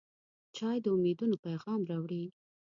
چای د امیدونو پیغام راوړي.